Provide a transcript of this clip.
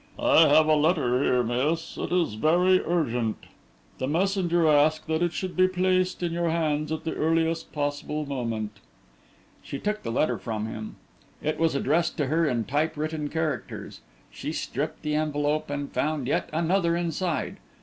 "I have a letter here, miss. It is very urgent. The messenger asked that it should be placed in your hands at the earliest possible moment." She took the letter from him. It was addressed to her in typewritten characters. She stripped the envelope and found yet another inside.